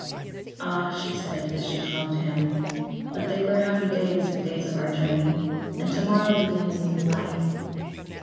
"Ah," she said, as she clung to him, "but they were happy days the days of our journey; and to morrow begins a new life."